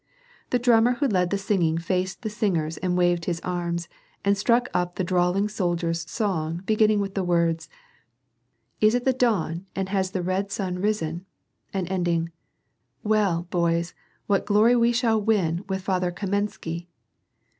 The drummer who led the singing faced the singers and waved his arm and struck up the drawling soldier's song beginning with the words, —Is it the dawn, and lias the red sun risen ?" and ending,— " Well, hoys, what glory we shall win with Father Kamensky."